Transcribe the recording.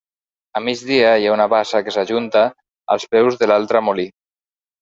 A migdia hi ha una bassa que s'ajunta als peus de l'altra molí.